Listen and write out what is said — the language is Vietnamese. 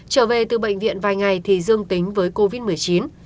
trở về từ bệnh viện vài ngày thì dương tính với covid một mươi chín